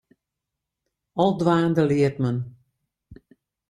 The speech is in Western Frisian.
Al dwaande leart men.